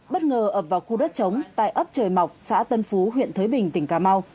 bất ngờ ập vào khu đất chống tại ấp trời mọc xã tân phú huyện thới bình tỉnh cà mau